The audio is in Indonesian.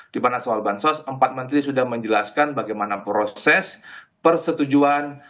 di mana soal bansos empat menteri sudah menjelaskan bagaimana proses persetujuan